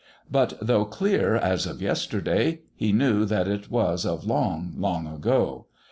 But, though clear as of Yesterday, he knew that it was of long, long ago....